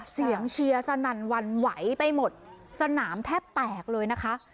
เสียงเชียร์สนั่นวันไหวไปหมดสนามแทบแตกเลยนะคะ